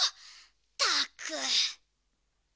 ったく」。